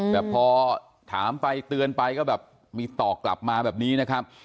แต่พอถามไปเตือนไปก็แบบมีต่อกลับมาแบบนี้นะครับ